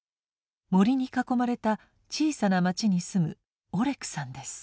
森に囲まれた小さな町に住むオレクさんです。